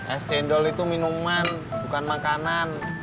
es cendol itu minuman bukan makanan